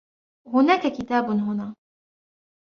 هناك كتاب هنا.